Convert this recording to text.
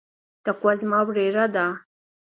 تقوا زما وريره ده.